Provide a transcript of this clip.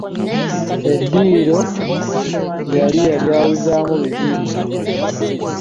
Eddiro yali yalyawuzaamu bibiri.